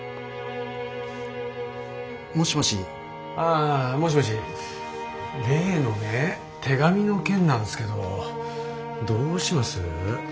あもしもし例のね手紙の件なんですけどどうします？